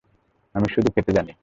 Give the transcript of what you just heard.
আমি শুধু খেতে জানি।